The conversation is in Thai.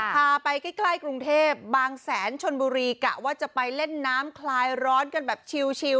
พาไปใกล้กรุงเทพบางแสนชนบุรีกะว่าจะไปเล่นน้ำคลายร้อนกันแบบชิล